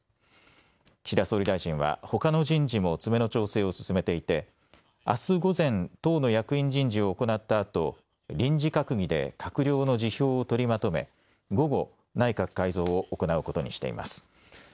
岸田総理大臣はほかの人事も詰めの調整を進めていてあす午前、党の役員人事を行ったあと臨時閣議で閣僚の辞表を取りまとめ午後、内閣改造を行うことにしています。